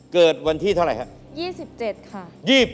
เกิดวันที่เท่าไรครับ